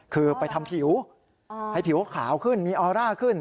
คือไปทำผิวให้ผิวขาวขึ้นมีออร่าขึ้น